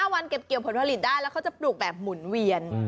วันเก็บเกี่ยวผลผลิตได้แล้วเขาจะปลูกแบบหมุนเวียน